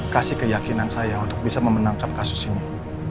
kasih keyakinan saya untuk bisa memenangkan kasus ini